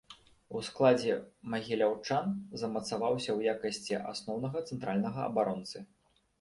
У складзе магіляўчан замацаваўся ў якасці асноўнага цэнтральнага абаронцы.